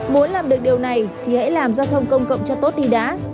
muốn làm được điều này thì hãy làm giao thông công cộng cho tốt đi đã